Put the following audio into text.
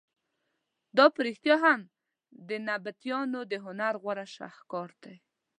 دا په رښتیا هم د نبطیانو د هنر غوره شهکار دی.